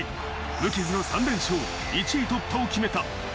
無傷の３連勝、１位突破を決めた。